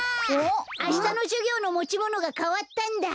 あしたのじゅぎょうのもちものがかわったんだ。